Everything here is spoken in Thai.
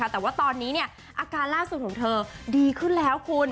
แต่ว่าตอนนี้อาการล่าสุดของเธอดีขึ้นแล้วคุณ